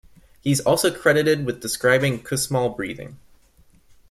He is also credited with describing Kussmaul breathing.